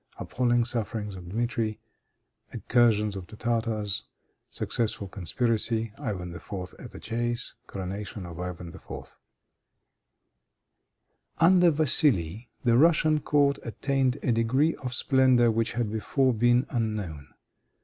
Appalling Sufferings of Dmitri. Incursion of the Tartars. Successful Conspiracy. Ivan IV. At the Chase. Coronation of Ivan IV. Under Vassili, the Russian court attained a degree of splendor which had before been unknown.